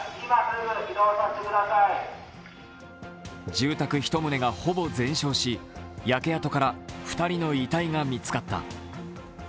住宅１棟がほぼ全焼し焼け跡から２人の遺体が見つかった。